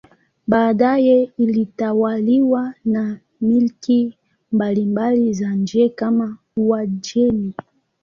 Baadaye ilitawaliwa na milki mbalimbali za nje kama Uajemi.